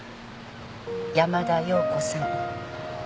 山田洋子さん。